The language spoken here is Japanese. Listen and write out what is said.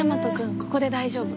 ここで大丈夫